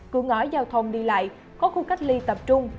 cửa ngõ giao thông đi lại có khu cách ly tập trung